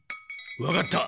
わかった。